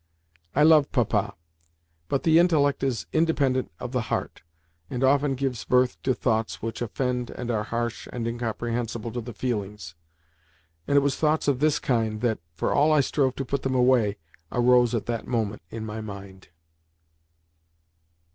I loved Papa, but the intellect is independent of the heart, and often gives birth to thoughts which offend and are harsh and incomprehensible to the feelings. And it was thoughts of this kind that, for all I strove to put them away, arose at that moment in my mind.